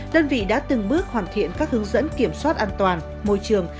đơn vị đã từng bước hoàn thiện các hướng dẫn kiểm soát an toàn môi trường